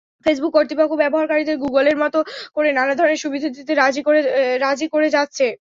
Facebook কর্তৃপক্ষ ব্যবহারকারীদের গুগলের মতো করে নানা ধরনের সুবিধা দিতে কাজ করে যাচ্ছে।